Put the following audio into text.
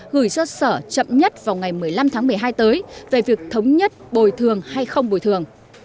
gửi cho sở chậm nhất vào ngày một mươi năm tháng một mươi hai tới về việc thống nhất bồi thường hay không bồi thường